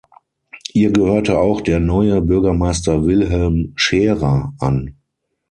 Ihr gehörte auch der neue Bürgermeister Wilhelm Scherer an.